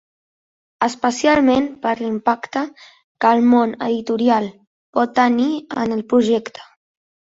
Especialment per l'impacte que el món editorial pot tenir en el projecte.